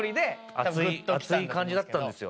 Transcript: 熱い熱い感じだったんですよ